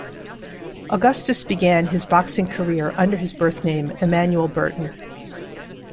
Augustus began his boxing career under his birth name Emanuel Burton.